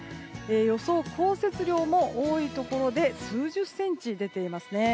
予想降雪量も多いところで数十センチ出ていますね。